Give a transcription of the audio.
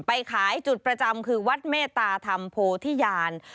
ไปขายจุดประจำคือวัดเมตตาธรรมโพธิญาณ